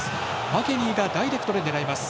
マケニーがダイレクトで狙います。